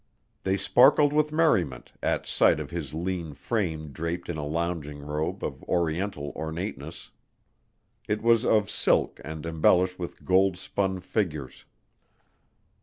They sparkled with merriment at sight of his lean frame draped in a lounging robe of Oriental ornateness. It was of silk and embellished with gold spun figures.